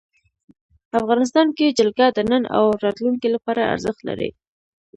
افغانستان کې جلګه د نن او راتلونکي لپاره ارزښت لري.